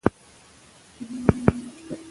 مدیر مخکې اصلاح کړې وه.